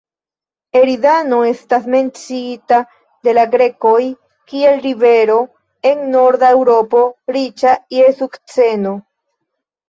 Eridano estas menciita de la grekoj, kiel rivero en norda Eŭropo, riĉa je sukceno.